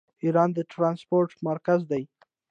ایران د ټرانسپورټ مرکز دی.